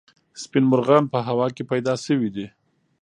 سپین مرغان په هوا کې پیدا سوي دي.